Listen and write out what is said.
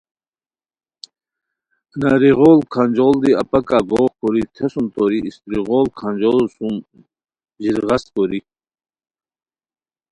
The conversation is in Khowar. نری غوڑ کھانجوڑ دی اپاکہ گوغ کوری تھیسوم توری استری غوڑ کھانجوڑو سُم ژیرغست کوری